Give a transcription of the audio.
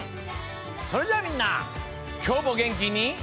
それじゃあみんなきょうもげんきに。